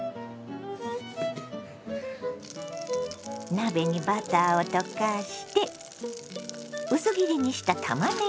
鍋にバターを溶かして薄切りにしたたまねぎを炒めます。